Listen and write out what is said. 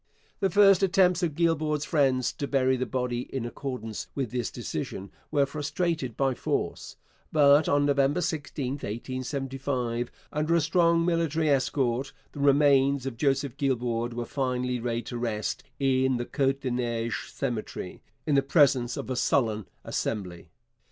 The first attempts of Guibord's friends to bury the body in accordance with this decision were frustrated by force; but on November 16, 1875, under a strong military escort, the remains of Joseph Guibord were finally laid to rest in the Côte des Neiges cemetery, in the presence of a sullen assemblage.